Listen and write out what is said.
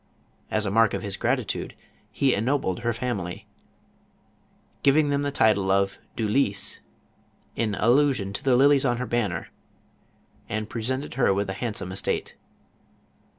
As a mark of his gratitude he ennobled her family, giving them the title of " du Lys," in allusion to the lilies on her banner, and pre sented her with a handsome estate.